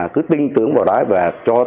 cứ tin tưởng vào đó và